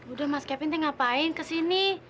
udah mas kevin dia ngapain kesini